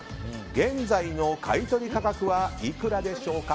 現在の買い取り価格はいくらでしょうか。